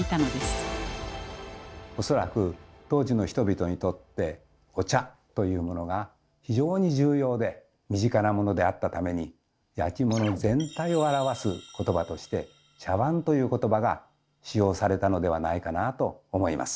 恐らく当時の人々にとってお茶というものが非常に重要で身近なものであったために焼き物全体を表す言葉として「茶わん」という言葉が使用されたのではないかなと思います。